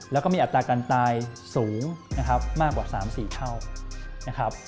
แล้วก็มีอัตราการตายสูงมากกว่า๓๔เท่า